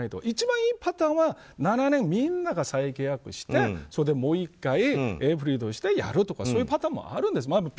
一番いいパターンは７年後、みんなが再契約してそれでもう１回Ａｐｒｉｌとしてやるとかそういうパターンもあるんです。